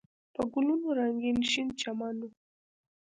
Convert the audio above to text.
په ګلونو رنګین شین چمن و.